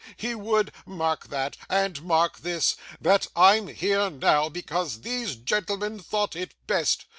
He would mark that; and mark this that I'm here now, because these gentlemen thought it best.